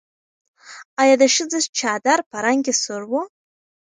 ایا د ښځې چادر په رنګ کې سور و؟